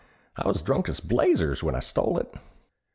— I was drunk as blazes when I stole it."